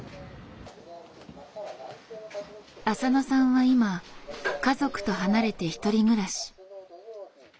浅野さんは今家族と離れて１人暮らし。